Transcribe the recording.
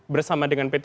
bersama dengan p tiga